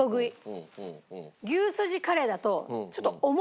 牛すじカレーだと。